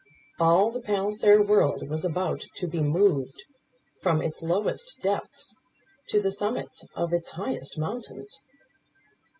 All the Palliser world was about to be moved from its lowest depths, to the summits of its highest mountains.